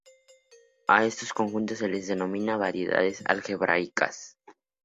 A esos conjuntos se les denomina variedades algebraicas.